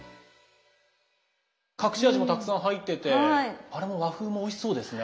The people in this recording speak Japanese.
隠し味もたくさん入っててあれも和風もおいしそうですね。